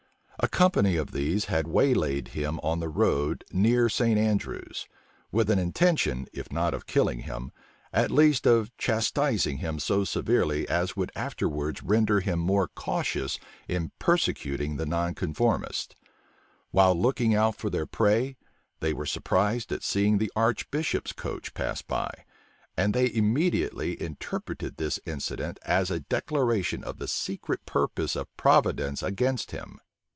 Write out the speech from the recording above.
A company of these had waylaid him on the road near St. Andrews, with an intention, if not of killing him, at least of chastising him so severely as would afterwards render him more cautious in persecuting the nonconformists. [*]* Wodrow's History of the Sufferings of the Church of Scotland vol. ii. p. 28. While looking out for their prey, they were surprised at seeing the archbishop's coach pass by; and they immediately interpreted this incident as a declaration of the secret purpose of Providence against him.